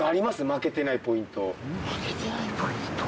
負けてないポイント？